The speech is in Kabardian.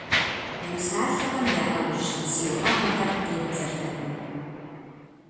Уи псалъэхэм я Ӏэужь си уӀэгъэхэр къибдзэртэкъым.